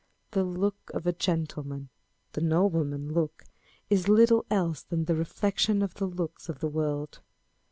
The look of the gentleman, " the nobleman look," is little else than the reflection of the looks of the world.